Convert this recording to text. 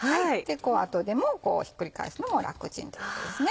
後でもひっくり返すのも楽ちんということですね。